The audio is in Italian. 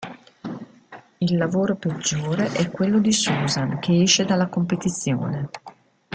Il lavoro peggiore è quello di Suzanne, che esce dalla competizione.